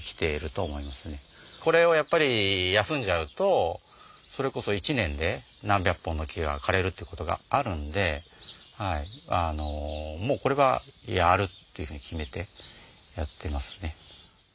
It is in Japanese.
これをやっぱり休んじゃうとそれこそ１年で何百本の木が枯れるっていう事があるんでもうこれはやるっていうふうに決めてやってますね。